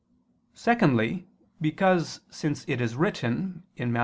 Secondly, because, since it is written (Matt.